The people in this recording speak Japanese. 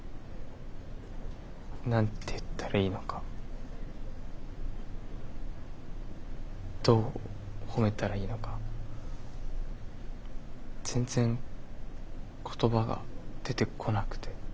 何て言ったらいいのかどう褒めたらいいのか全然言葉が出てこなくて。